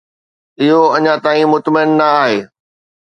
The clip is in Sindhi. اهو اڃا تائين مطمئن نه آهي.